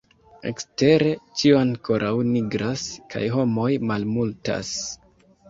Ekstere, ĉio ankoraŭ nigras, kaj homoj malmultas.